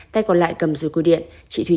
tay còn lại cầm rủi quy điện chị thúy